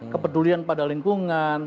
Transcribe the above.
kepedulian pada lingkungan